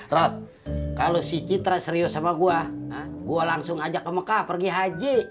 rod kalau si citra serius sama gue gue langsung ajak ke mekah pergi haji